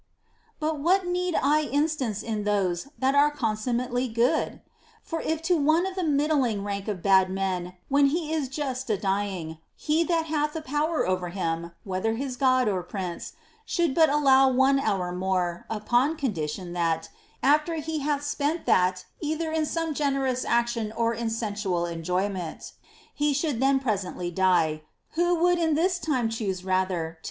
But what need I instance in those that are consummately good'? For if to one of the middling rank of bad men, when he is just a dying, he that hath the power over him (whether his God or prince) should but allow one hour more, upon condition that, after he hath spent that either in some generous action or in sensual enjoyment, he should then presently die, who would in this time choose rather to * Odyss. VIII. 173. ACCORDING TO EPICURUS.